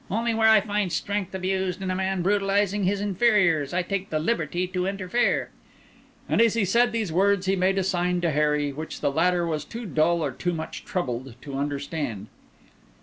Only where I find strength abused and a man brutalising his inferiors, I take the liberty to interfere." As he said these words he made a sign to Harry, which the latter was too dull or too much troubled to understand.